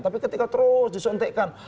tapi ketika terus disuntikkan